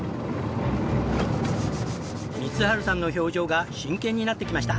弥春さんの表情が真剣になってきました。